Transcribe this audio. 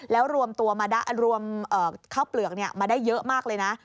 แล้วรวมตัวรวมข้าวเปลือกมาได้เยอะมากเลยนะ